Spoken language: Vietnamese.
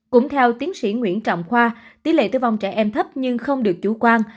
cũng theo tiến sĩ nguyễn trọng khoa tỷ lệ tử vong trẻ em thấp nhưng không được chủ quan